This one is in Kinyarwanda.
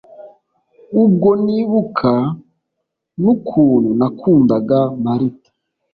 ubwo nibuka n'ukuntu nakundaga martha